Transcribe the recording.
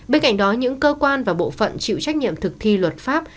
bên cạnh đó những cơ quan và bộ phận chịu trách nhiệm thực thi luật pháp